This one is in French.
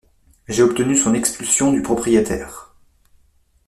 J’ai obtenu son expulsion du propriétaire.